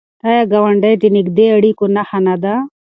آیا ګاونډی د نږدې اړیکو نښه نه ده؟